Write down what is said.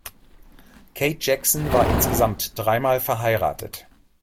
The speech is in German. Kate Jackson war insgesamt drei Mal verheiratet.